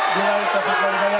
di laik tasuk balikannya